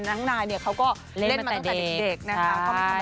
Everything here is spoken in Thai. น้องนายเนี่ยเขาก็เล่นมาตั้งแต่เด็กนะคะ